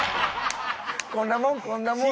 こんなもんこんなもん。